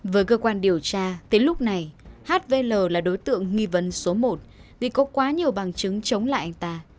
với cơ quan điều tra tới lúc này hvl là đối tượng nghi vấn số một vì có quá nhiều bằng chứng chống lại anh ta